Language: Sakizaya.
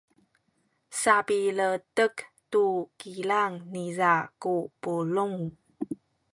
sapiletek tu kilang niza ku pulung.